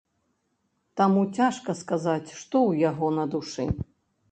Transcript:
Таму цяжка сказаць, што ў яго на душы.